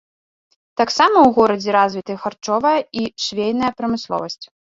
Таксама ў горадзе развіты харчовая і швейная прамысловасць.